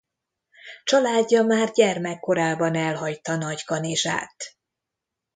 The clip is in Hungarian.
Családja már gyermekkorában elhagyta Nagykanizsát.